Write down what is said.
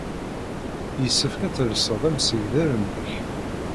Yessefk ad telsed amsegdal-nnek.